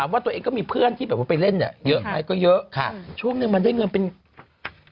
อึกอึกอึกอึกอึกอึกอึกอึกอึก